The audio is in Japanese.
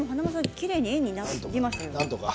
きれいに円になってますよ。